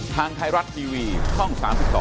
ทางไทยรัฐทีวีช่อง๓๒